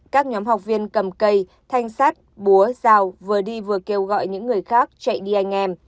các nhóm học viên cầm cây thanh sát búa rào vừa đi vừa kêu gọi những người khác chạy đi anh em